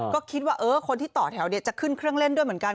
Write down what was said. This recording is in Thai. ก็คิดว่าคนที่ต่อแถวจะขึ้นเครื่องเล่นด้วยเหมือนกัน